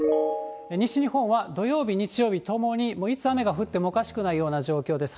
西日本は土曜日、日曜日ともにもういつ雨が降ってもおかしくないような状況です。